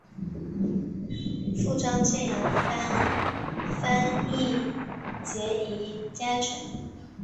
胡璋剑杨帆潘羿捷移佳辰